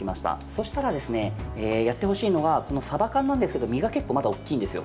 そうしたら、やってほしいのはさば缶なんですけど身がまだ結構大きいんです。